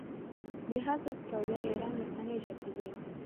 د حزب توده ایران رسنۍ چاپېدې.